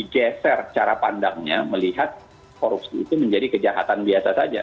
geser cara pandangnya melihat korupsi itu menjadi kejahatan biasa saja